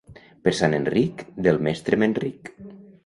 Per Sant Enric, del mestre me'n ric.